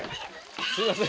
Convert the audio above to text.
すいません。